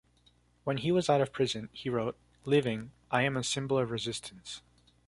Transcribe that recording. When he was out of prison, he wrote, “Living, I am a symbol of resistance.